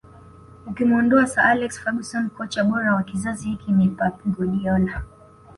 Ukimuondoa Sir Alex Ferguson kocha bora wa kizazi hiki ni Pep Guardiola